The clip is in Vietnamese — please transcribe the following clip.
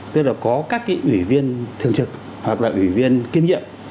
tức là có các cái ủy viên thường trực hoặc là ủy viên kiêm nhiệm